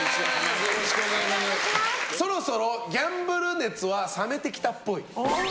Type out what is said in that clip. そろそろギャンブル熱は冷めてきたっぽい。